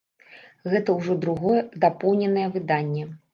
Гэта ўжо другое, дапоўненае выданне.